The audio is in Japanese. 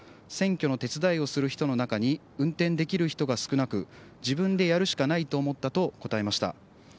選挙の手伝いをする人の中に運転できる人が少なく、自分でやるしかないと思ったと答えました。